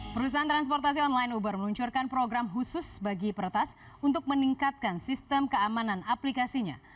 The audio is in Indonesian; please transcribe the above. perusahaan transportasi online uber meluncurkan program khusus bagi peretas untuk meningkatkan sistem keamanan aplikasinya